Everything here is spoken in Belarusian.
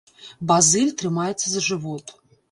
Базыль трымаецца за жывот.